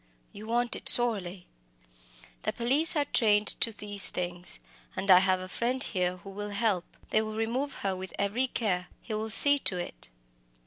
you want it sorely. The police are trained to these things, and I have a friend here who will help. They will remove her with every care he will see to it."